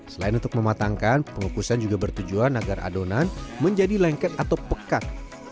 selain untuk mematangkan pengukusan juga bertujuan agar adonan menjadi lengket atau pekat